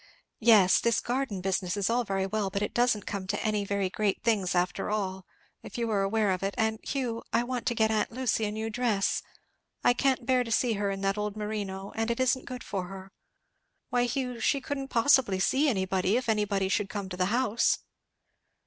"Yes this garden business is all very well, but it doesn't come to any very great things after all, if you are aware of it; and, Hugh, I want to get aunt Lucy a new dress. I can't bear to see her in that old merino, and it isn't good for her. Why, Hugh, she couldn't possibly see anybody, if anybody should come to the house."